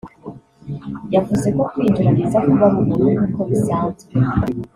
yavuze ko kwinjira biza kuba ari ubuntu nk’uko bisanzwe